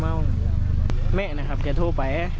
แม่นะครับแกโทรไป